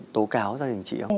tố cáo gia đình chị không